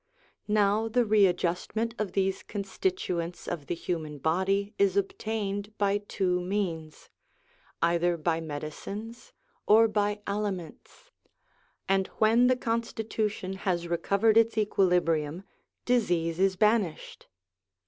Now the readjustment of these constituents of the human body is obtained by two means : either by medicines or by aliments; and when the constitu tion has recovered its equilibrium, disease is banished.